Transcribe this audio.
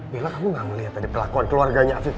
bella kamu enggak melihat tadi kelakuan keluarganya afif